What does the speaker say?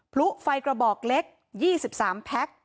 พลุไฟกระบอกเล็ก๒๓แพ็ค